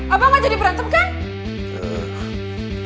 abah gak jadi berantem kan